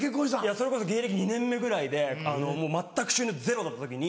それこそ芸歴２年目ぐらいでもう全く収入ゼロだった時に。